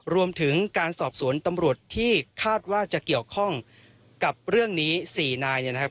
รวมถึงการสอบสวนตำรวจที่คาดว่าจะเกี่ยวข้องกับเรื่องนี้๔นายเนี่ยนะครับ